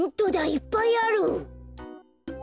いっぱいある！